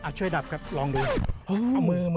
ช่วยดับครับลองดู